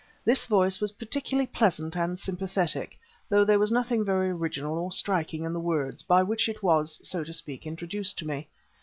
This voice was particularly pleasant and sympathetic, though there was nothing very original or striking in the words by which it was, so to speak, introduced to me.